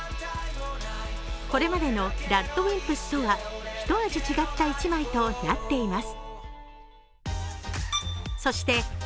これまでのＲＡＤＷＩＭＰＳとは一味違った１枚となっています。